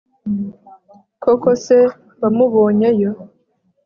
koko se wamubonye yo